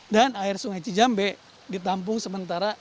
dan air sungai cijambe ditampung sementara